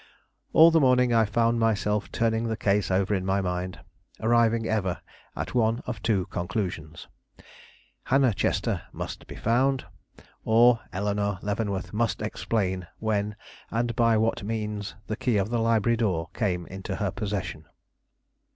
All the morning I found myself turning the case over in my mind, arriving ever at one of two conclusions. Hannah Chester must be found, or Eleanore Leavenworth must explain when and by what means the key of the library door came into her possession.